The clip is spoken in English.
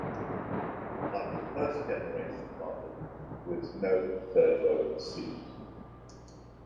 Like the first-generation model, there is no third-row seat.